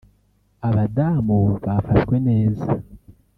abadamu bafashwe neza